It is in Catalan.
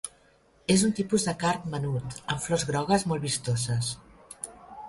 És un tipus de card menut amb flors grogues molt vistoses.